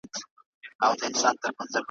رانه واخله دا د عقل تسلسل